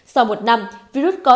sau một năm virus có thể biến đổi